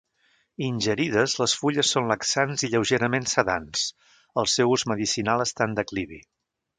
Ingerides, les fulles són laxants i lleugerament sedants, El seu ús medicinal està en declivi.